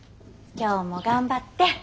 今日も頑張って。